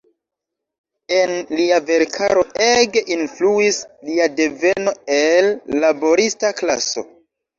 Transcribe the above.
En lia verkaro ege influis lia deveno el laborista klaso.